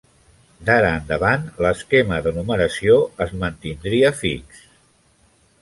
D'ara endavant, l'esquema de numeració es mantindria fix.